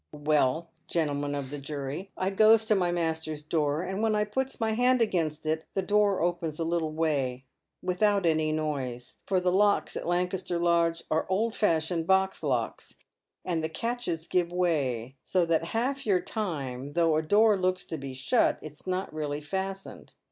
Well, gentlemen of the jury, I goes to my master's door, and when 1 puts my hand against it, the door opens a little way, without any noise ; for the locks at Lancaster Lodge are old fashioned box .ocks, and the catches give way, so that half your time though a door looks to be shut it's not really fastened.